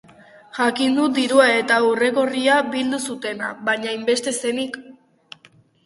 Jakin dut dirua eta urregorria bildu zutena, baina hainbeste zenik!